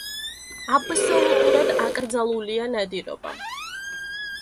აბსოლუტურად აკრძალულია ნადირობა.